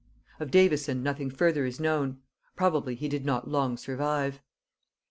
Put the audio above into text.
Of Davison nothing further is known; probably he did not long survive.